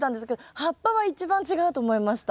葉っぱは一番違うと思いました。